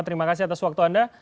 terima kasih atas waktu anda